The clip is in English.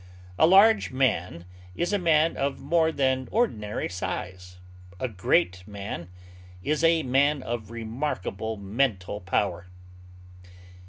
A large man is a man of more than ordinary size; a great man is a man of remarkable mental power.